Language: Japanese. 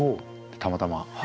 たまたま。